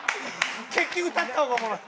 結局立った方がおもろい。